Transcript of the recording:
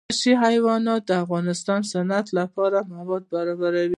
وحشي حیوانات د افغانستان د صنعت لپاره مواد برابروي.